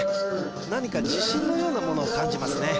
何か自信のようなものを感じますね